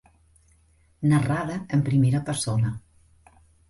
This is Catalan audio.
Narrada en primera persona.